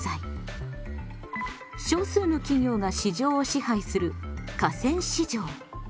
少数の企業が市場を支配する寡占市場。